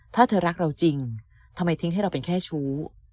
ถ้าเธอรักเราจริงทำไมทิ้งให้เราเป็นแค่ชู้